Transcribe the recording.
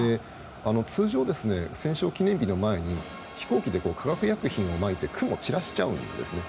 通常、戦勝記念日の前に飛行機で化学薬品をまいて雲を散らしちゃうんですね。